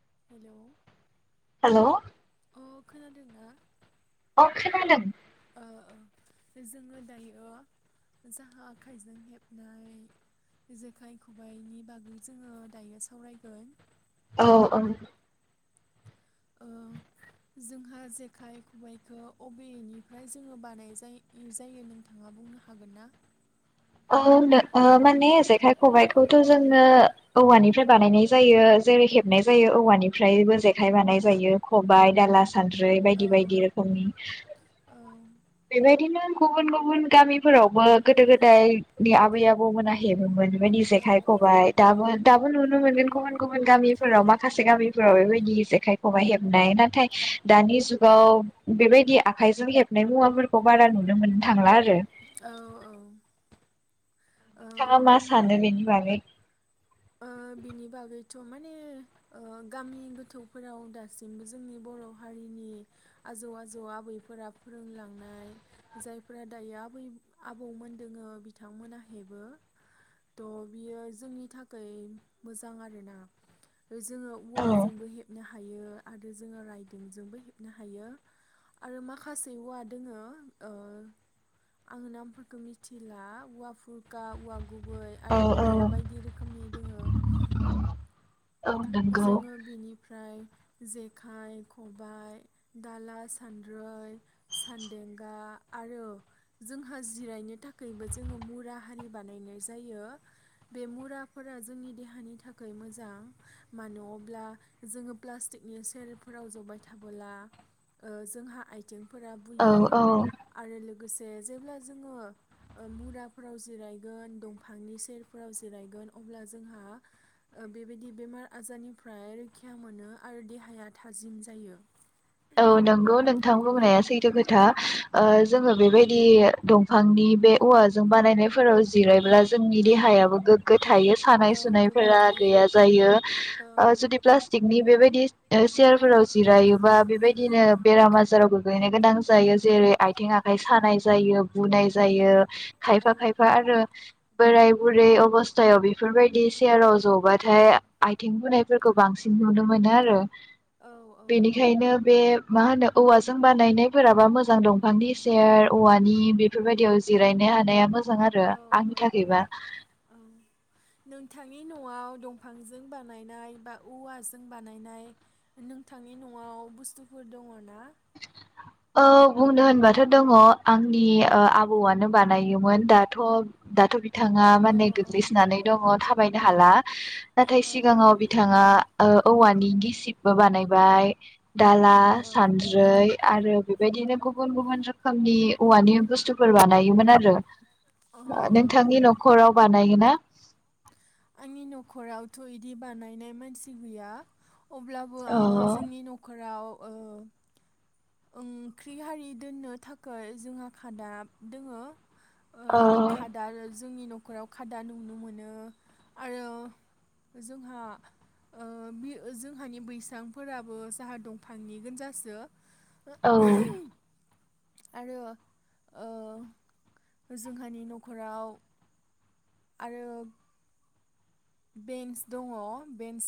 [inaudible] हेल'। अ खोनादों ना? अ खोनादों। जोङो दायो जोंहा आखाइजों हेबनाय जेखाइ खबाइनि बागै जोङो दायो सावरायगोन। औ औ। ओ जोंहा जेखाइ खबाइखौ अबेनिफ्राय जोङो बानाय जायो नोंथाङा बुंनो हागोन ना? औ माने जेखाइ खबाइखौथ' जोङो औवानिफ्राय बानायनाय जायो जेरै हेबनाय जायो औवानिफ्रायबो जेखाइ बानाय जायो खबाइ, दाला। सानद्रि बायदि औ बायदि रोखोमनि औ बेबायदिनो गुबुन गुबुन गामिफोरावबो गोदो-गोदाय नि आबै-आबौमोना हेबोमोन। औ जेखाइ, खबाइ औ दाबो दाबो नुनो मोनगोन गुबुन गुबुन गामिफोराव माखासे गामिफोराव बेबायदि जेखाइ खबाइ हेबनाय नाथाय दानि जुगाव बेबायदि आखाइजों हेबनाय मुवाफोरखौ बारा नुनो मोननो थांला आरो औ औ। ओ नोंथाङा मा बुं सानो बेनि बागै? थ' माने ओ गामि गोथौफोराव दासिमबो जोंनि बर' हारिनि आजौ आजौ आबैफोरा फोरोंलांनाय जायफोरा दायो आबै आबौमोन दोङो बिथांमोना हेबो थ' बियो जोंनि थाखाय। थाखाय मोजां आरो ना? जोङो औ औवाजोंबो हेबनो हायो। आरो जोङो राइदोंजोंबो हेबनो हायो आरो माखासे औवा दोङो ओ आङो नामफोरखौ मिथिला औवा फुरखा औवा गुबै औ आरो औ औवाया बायदि रोखोम दोङो औ नंगौ जोङो बेनिफ्राय जेखाइ खबाइ दाला सान्द्रै सान्देंगा आरो जोंहा जिरायनो थाखायबो जोङो मुरा हारि बानायनाय जायो बे मुराफोरा जोंनि देहानि थाखाय मोजां। मानो अब्ला जोङो प्लास्टिकनि सेरफोराव जबाय थाबोला ओ जोंहा आथि थिंफोरा औ बुयो औ आरो लोगोसे जेब्ला जोङो मुराफ्राव जिरायगोन दंफांनि सेरफ्राव जिरायगोन अ जोंहा बेबाय बेमार आजारनिफ्राय रैखा मोनो आरो देहाया थाजिम जायो औ नंगौ नों थां औ बुंनाया सैथो खोथा ओ जोङो बेबायदि दंफांनि बे औवाजों बानायनायफोराव जिरायब्ला जोंनि औ देहायाबो गोग्गो थायो औ सानाय गोग्गो सुनायफोरा थायो गैया जायो औ ओ जुदि प्लास्टिक बि बेबायदि चेयारफोराव जिरायोबा बे बायदिनो बेराम आजाराव गोग्लैनो गोनां जायो जेरै आइथिं आ नाय सानाय जायो बुनाय औ जायो औ खायफा खायफा आरो बोराय बुरै अबस्थायाव बेफोरबायदि सेयाराव जबाथाय आइथिं बुनायफोरखौ बांसिन नुनो मोनो आरो औ औ बेनिखायनो बे मा होनो औवाजों बानायनायफोराबा मोजां दंफांनि सेर औवानि बेफोरबायदियाव जिरायनो हानाया मोजा जां आरो औ आंनि औ थाखायबा औ नोंथांनि न'आव दंफांजों बानायनाय बा औवाजों बानायनाय नोंथांनि न'आव बुस्थुफोर दङ ना औ बुंनो होनबाथ' दङ आंनि ओ आबौआनो बानायोमोन दाथ' दाथ' बि थाङा औ माने औ गोग्लैसोनानै दङ थाब बायनो हाला नाथाय औ सिगाङाव बिथाङा ओ औवानि गिसिबबो बानायबाय दाला औ औ सानद्रै आरो बेबायदिनो गुबुन गुबुन रोखोमनि औवानि बुस्थुफोर बानायोमोन आरो औ औ नोंथांनि न'खराव बानायो ना आंनि न'खरावथ' बिदि बानायनाय मानसि गैया अब्लाबो औ आ जोंनि न'खराव ओ ओंख्रि हारि दोननो थाखाय जोंहा खादा दोङो ओ औ खादा लोज जोंनि न'खराव खादा नुनो मोनो आरो जोंहा ओ बि जोंहानि बैसांफोराबो जाहा दंफांनिगोनजासो औ आरो ओ जोंहानि न'खराव आरो बेन्स दङ बेन्स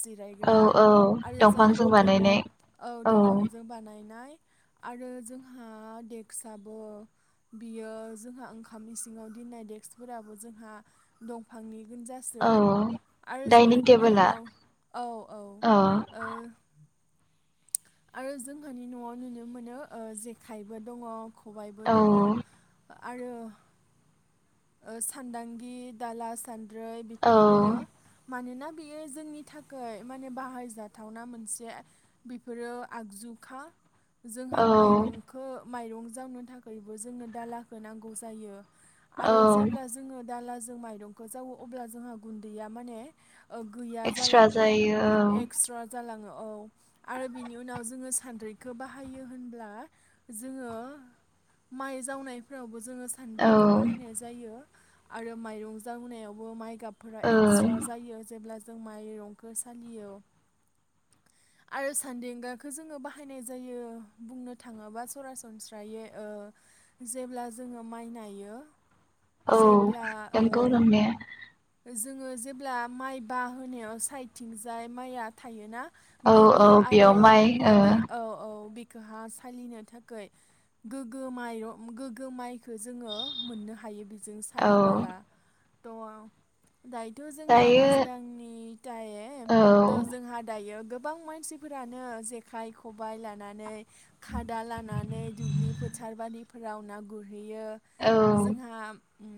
औ जिरायग्रा औ आरो जाहानि दंफांजों टेबोल बानायनाय औ दंफांजों बानायनाय आरो जोंहा देक्साबो बियो जोंहा ओंखामनि सिङाव दिननाय डेक्सफोराबो जोंहा दंफांनि गोनजासो औ आरो डाइनिं जोंहानि टेबोला न'खराव औ औ ओ आरो जोंहानि न'आव नुनो मोनो ओ जेखाइबो दङ खबायबो औ दङ। आरो ओ सानदांगि दाला सान द्रै बेफोरो औ दोङो मानोना बेयो जोंनि थाखोय माने बाहायजाथावना मोनसे बेफोरो आगजुखा। जोंहा औ माइरंखो माइरं जावनो थाखायबो जोंनो दालाखौ नांगौ जायो। आरो औ जेब्ला जोङो दाला जों माइरंखो जावो अब्ला जोंहा गुन्दैया माने ओ गैया एक्सट्रा जालाङो जायो औ एक्सस्रा जालाङो। औ आरो बिनि उनाव जोङो सान्द्रिखौ बाहायो होनब्ला जोङो माइ जावनायफ्राव जोङो सानद्रिखो बा औ हायनाय जायो। आरो माइरं जावनायावबो माइ गाबफोरा एक्सट्रा औ जायो जेब्ला जों माइरंखो सालियो आरो सान्देंगाखो जोङो बाहायनाय जायो बुंनो थाङोबा सरासनस्रायै ओ जेब्ला जोङो माइ नायो औ जेब्ला नंगौ ओ नंनाया। जोङो जेब्ला माइ बाहोनायाव सायदथिंजाय माइआ थायोना औ औ गोग्गो आरो बेयाव माइ ओ माने औ औ बि खोहा सालिनो थाखोय गोग्गो माइर गोग्गो माइखो जोङो मोननो हायो बि जों औ सालिबाला द'वाव दायोथ' जोंहा दायो दैज्लांनि थायेम औ थ' जोंहा दायो गो गोबां मानसिफोरानो जेखाइ खबाइ लानानै खादा लानानै दुब्लि फोथार बादि रावनागुर हैयो औ जोंहा उम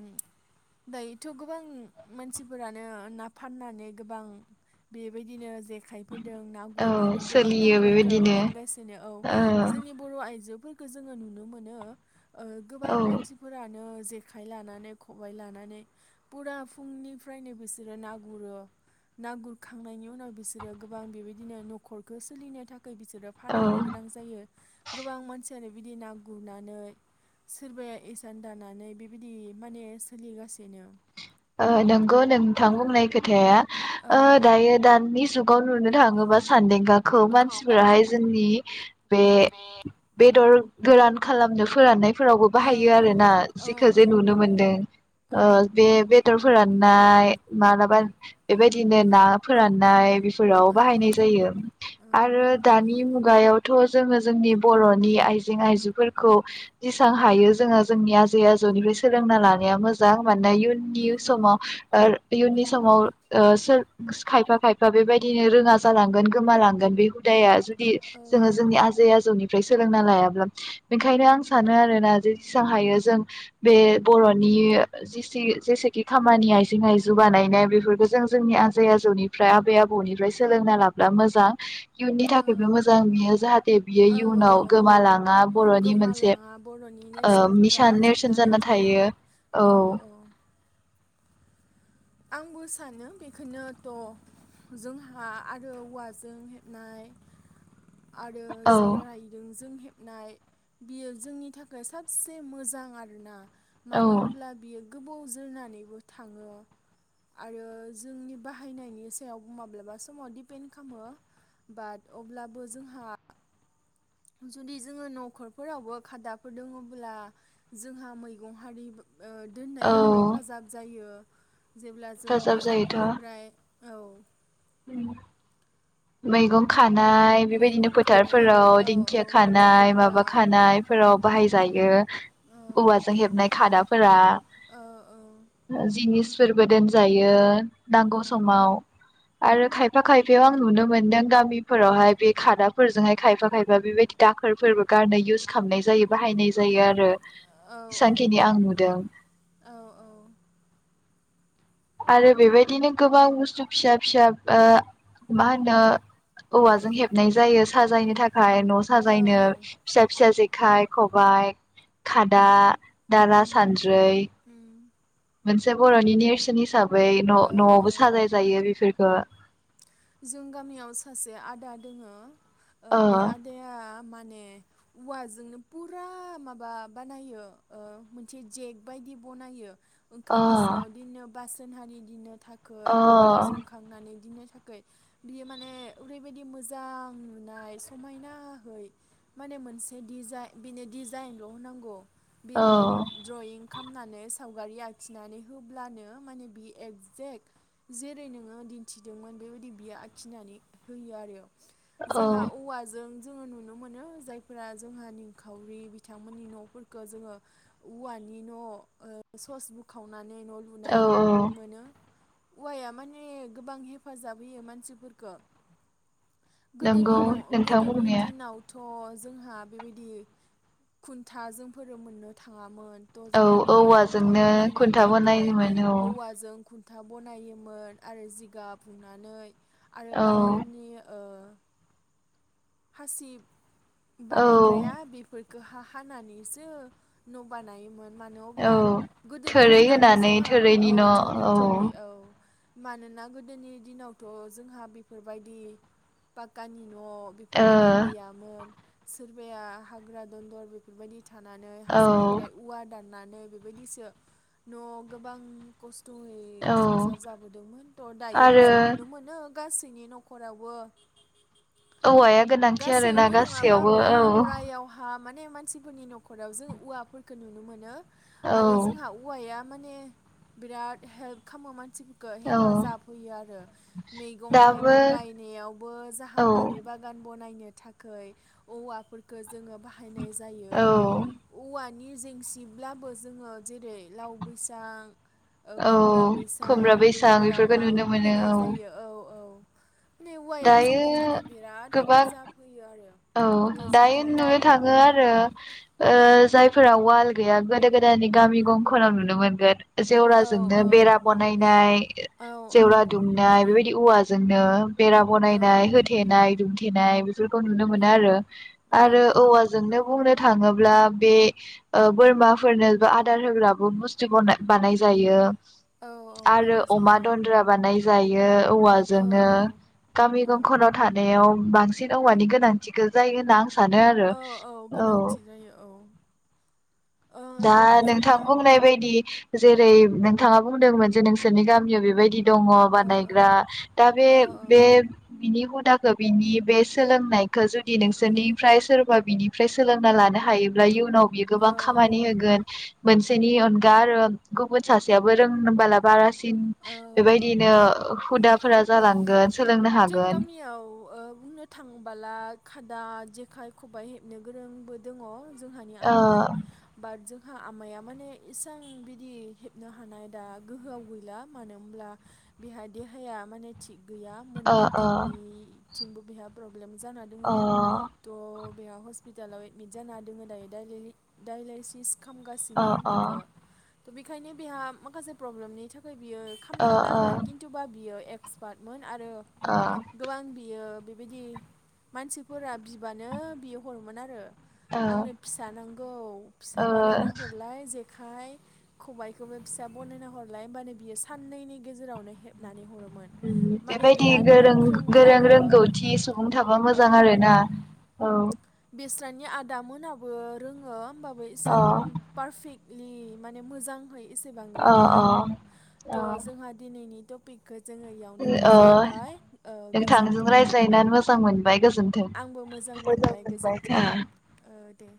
दायोथ' गोबां मानसिफोरानो ना फाननानै गोबां बेबायदिनो जे खाइफोरदों ना औ गुरनानै गोबां सोलियो नाफोरखो बेबायदिनो फानगासिनो औ। ओ जोंनि बर' आइजो फोरखौ जोङो नुनो मोनो ओ गोबां औ मानसिफोरानो जेखाइ लानानै खबाइ लानानै फुरा फुंनिफ्रायनो बिसोरो ना गुरो बिसोरो औ फानहैनो गोनां जायो गोबां मानसि आरो बिदि ना गुरनानै सोरबाया इसान दानानै बेबायदि माने सोलिगासिनो ओ नोंगौ नोंथां बुंनाय खोथाया औ ओ दायो दानि जुग खौ नुनो थाङोबा सानदेंगा खौ मानसिफोराहाय जोंनि [inaudible] बे बेदर गोरान खालामनो फोराननाय फोरावबो औ बाहायो औ आरोना औ जेखौ औ जे नुनो बाहायो मोनदों औ ओ बे बे बेदर फोराननाय मालाबा बेबायदिनो ना फोरान नाय बेफोराव औ औ बाहायनाय जायो औ आरो दानि मु गायावथ' जोङो जोंनि बर'नि आइजें आइजुफोरखौ जसां हायो जोङो जोंनि आजै आजौनिफ्राय सोलोंना लानाया मोजां मानोना इयुननि समाव इयुननि समाव ओ सोर खायफा खायफा बेबायदिनो रोङा जालांगोन गोमालांगोन बे हुदाया जु दि जोङो जोंनि आजै आजौनि फ्राय सोलोंना लायाब्ला बेखायनो आं सानो आरोना जेेसेबां हायो जों बे बर'नि जिसि जेसे खि खामानि आइजें आइजु बानायनाय बेफोरखौ जों जोंनि आजै आजौनिफ्राय आबै आबौनिफ्राय सोलोंना लाब्ला मोजां इयुननि औ थाखायबो मोजां बियो जाहाथे बियो औ औ इयुनाव औ गोमालाङा बर'नि मोनसे गोमालाङा बर'नि ओ नेरसोनफोरा निसान नेरसोन जोबनानै जाना थाङा थायो औ आंबो सानो बेखौनोथ' जोंहा आरो औवाजों हेबनाय आरो औ जे राइदों जों हेब नाय बियो जोंनि थाखाय साबसे मोजां आरो ना औ मानो होमब्ला बियो गोबाव जोरनानैबो थाङो आरो जोंनि बाहायनायनि सायावबो माब्लाबा समाव डिपेन्ड खामो बाट अब्लाबो जोंहा जुदि जोङो न'खरफोरावबो खादाफोर दोङोब्ला जोंहा मैगं हारि ओ औ दोननायाव हेफाजाब जायो जेब्ला जोङो हेफाजाब जायोथ' बजारफोरनिफ्राय औ मैगं खा खानाय बेबायदिनो मैगं खानाय फोथारफोराव औ दिंखिया औ खानाय माबा फोथारफोराव खानायफोराव बाहाय जायो औ औवाजों हेबनाय खादाफोरा औ औ जिनिसफोरबो दोनजायो औ नांगौ समाव आरो खायफा खायफायाव आं नुनो मोनदों गामिफोरावहाय बे खादाफोरजोंहाय खायफा खायफा बेबायदि दाखोरफोरबो गारनो इउस खालामनाय जायो बाहायनाय जायो आरो औ जेसांखिनि आं नुदों औ आरो बेबायदिनो गोबां बुस्थु फिसा फिसा ओ मा होनो औवाजों हेबनाय जायो साजायनो थाखा य न औ साजायनो औ फिसा फिसा जे खाइ, खबाइ, खादा दाला उम सानद्रै उम मोनसे बर'नि नेरसोन हिसाब बै न औ नयावबो औ साजाय जायो बेफोर खो जों गामियाव सासे आदा दोङो ओ बे आदाया मा ने उवाजोंनो पुरा माबा बानायो ओ मोनसे जेक बायदि बनायो। अ ओंखाम इसिङाव दिननो बास जोंहानि दिन थाखै अ ओंखाम संखांनानै दिनो बियो माने ओरैबायदि मोजां नुनाय समायनाहै माने मोनसे डिजाइ बेनो डिजाइनल होनांगौ औ बिनो द्रइं खामनानै सावगारि आखिनानै होब्लानो माने बि एक्जेक्ट जेरै नोङो दिन्थिदोंमोन बै बियो आखिनानै होयो आरो औ जोंहा औवाजों जोङो नुनो मोनो जायफोरा जोंहा निंखावरि बिथांमोननि नफोरखौ जोङो उवानि न ओ सस बुखाव नानै न लुनाय औ मोनो। उवाया माने गोबां हेफाजाब होयो मानसिफोरखो गोदोनि नंगौ न नोंथां गोदोनि बुंनाया दिनावथ थ जोंहा बेबायदि खुन्था जोंफोरो मोननो थाङामोन। त औ जोंहा ननि खुनथा औवाजोंनो बनायनो खुन्था थाखै बनायोमोन औवाजों खुन था बनायोमोन आरो जिगाब हुंना नानै आरो औ बाहेरनि ओ हासिब औ बानायग्राया बिफोर खो हा हानानैसो न बानायोमोन। मानो औ अब्ला गोदोनि थोरै दिनावथ होनानै जोंहा थोरैनि औ न' थोरि थोरि औ मानोना गोदोनि दिनावथ जोंहा बिफोरबायदि पाकानि न बि ओ बेबायदि गैयामोन सोरबाया थानानै औ हाजोनिफ्राय औवा दान नानै बेबायदिसो न'आव गोबां खस थ'यै औ संसार जाबोदोंमोन थ' दायो आरो जों नुनो मोनो गासैनि न'खरावबो औवाया गोनांथि आरो ना गासैबो गासैयावबो नङाबाबो औ प्रायावहा माने मानसिफोरनि न'खराव जों औवाफोरखौ नुनो मोनो। आरो औ जोंहा औवाया माने बिराद हेल्प खामो मान सिफोरखौ औ हेफाजाब होयो आरो मैगं दाबो थाइगं गायनायावबो जाहा औ बारि बाग गान बानायनो थाखोय औवाफोरखौ जोङो बा बाहायनाय जायो औ औवा नि जेंसिब्लाबो जोङो जेरै लाव बैसां ओ औ खुमब्रा बैसां खुमब्रा बैसां बेफोरखौ बैफोरावहा नुनो मोनो होनाय जायो औ औ दिनै औवाया दायो जोंनि थाखाय बिराद गोबां हेफाजाब होयो आरो औ ओ दायो जोङो नुनो बुंनो थाङो हाया आरो ओ जायफोराव उवाल गैया गोदो गोदायनि गामि गंखनाव नुनो मोनगोन औ जेवराजोंनो बेरा औ बनायनाय औ जेवरा दुमनाय बेबाय दि औवाजोंनो बेरा बनायनाय औ होथेनाय दुम थेनाय बेफोरखौ नुनो मोनो आरो आरो औवाजोंनो बुंनो थाङोब्ला बे ओ बोरमाफोरनोबो आदार होग्राबो बुस्थुखौ बना बानाय जायो। औ औ आरो बानाय अमा जायो दन्द्रा बानाय जायो औ औवाजोंनो औ गामि औ गंखनाव थानायाव बांसिन औवानि गो नांथिखौ जायो होनना आं औ औ गोनांथि जायो औ ओ दा थ' नोंथां जोंहा बुंनाय बायदि जेरै नोंथाङा बुंदोंमोन जे नोंसोरनि गामियाव बेबायदि दङ ओ ओ बानायग्रा दा बे औ बे बिनि हुदाखौ बिनि बे सोलोंनायखौ जुदि नोंसोरनिफ्राय सोरबा बिनिफ्राय सोलों उनाव बियो गोबां औ खामानि होगोन मोनसेनि अनगा आरो गुबुन सासेयाबो रोंनोबाला बारास थिं औ औ बेबायदिनो हुदा फोरा जालांगोन सोलोंनो जों हागोन गामियाव ओ बुंनो थांबाला खा दा जेखाइ खबाइ हेबनो गोरोंबो दङ जोंहानि ओ आमाइ बाद जों हा आमाया माने इसां बिदि हेबनो हानाय दा गोहोआव गैला मानो होनोब्ला बेहा देहाया माने थिग गैया ओ मोनै ओ किटनि थिंबो बिहा ब्र ब्लेम जाना दोङो ओ थ' बेयाव हस्पिटालाव एडमिट जाना दोङो दायो दायलिलि डाइलायसिस ओ खामगासिनो बेखो बेखायनो बेहा माखासे प्रब्लेमनि था खाय बियो खामनो हाला आरो ओ खिन्थुबा बियो ए क्सपार्टमोन आरो गोबां बियो बेबायदि मानसिफोरा बिबानो बि हरोमोन आरो ओ आंनो फिसा नांगौ फिसा ओ ओ बानायना हरलाय जे खाय खबायखौबो फिसा बनायना हरलाय होमबानो बियो साननैनि गेजेरावनो हेबनानै हरो मोन माने दि बिराद गोरों गोख्रोंमोन गोरों आरो रोंगौथि सुबुं थाबा मोजां आरोना औ इस्रानि आदामोनाबो रोङो होमबाबो अ इसां पारफिक्ट लि माने मोजां है एसेबां अ रोङा आरो अ थ' जोंहा दिनैनि टपिक खौ जोङो इयावनो अ फोजोब ओ बाय ओ नोंथांजों गोजोन्थों रायज्लायनानै मोजां मोनबाय गोजोन्थों आंबो मोजां मोनबाय गोजोन्थों ओ दे